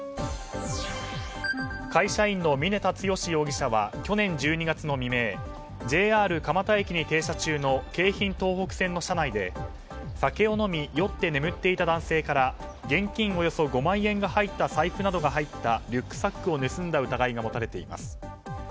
会社員の峯田剛容疑者は去年１２月の未明ＪＲ蒲田駅に停車中の京浜東北線の車内で酒を飲み酔って眠っていた男性から現金およそ５万円が入った財布などが入ったリュックサックを盗んだ疑いが持たれています。